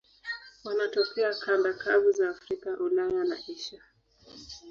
Wanatokea kanda kavu za Afrika, Ulaya na Asia.